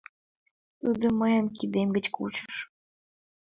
Тудо мыйым кидем гыч кучыш.